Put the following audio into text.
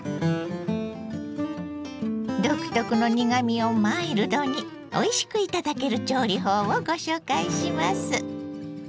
独特の苦みをマイルドにおいしく頂ける調理法をご紹介します。